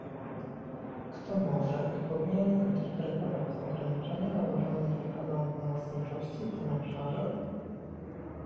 Kto może i powinien interpretować ograniczenia nałożone zasadą pomocniczości w tym obszarze?